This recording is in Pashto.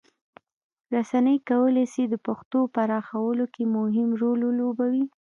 رسنۍ کولی سي د پښتو پراخولو کې مهم رول ولوبوي.